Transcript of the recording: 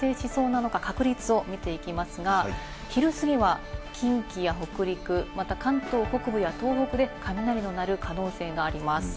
この雷雲、この後どこで発生しそうなのか確率を見ていきますが、昼すぎは近畿や北陸、また関東北部や東北で雷の鳴る可能性があります。